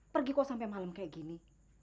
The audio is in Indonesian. pergi kok sampe malem kayak gini